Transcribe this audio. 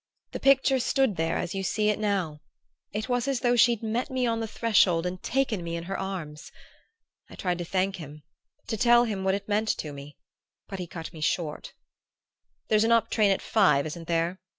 The picture stood there as you see it now it was as though she'd met me on the threshold and taken me in her arms! I tried to thank him, to tell him what it meant to me, but he cut me short. "'There's an up train at five, isn't there?